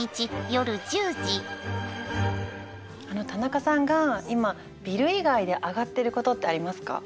田中さんが今ビル以外でアガってることってありますか？